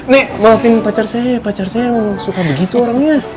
nek maafin pacar saya ya pacar saya yang suka begitu orangnya